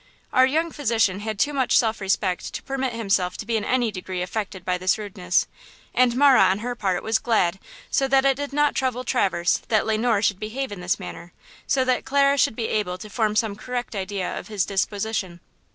Our young physician had too much self respect to permit himself to be in any degree affected by this rudeness. And Marah, on her part, was glad, so that it did not trouble Traverse, that Le Noir should behave in this manner, so that Clara should be enabled to form some correct idea of his disposition.